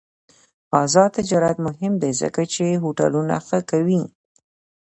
آزاد تجارت مهم دی ځکه چې هوټلونه ښه کوي.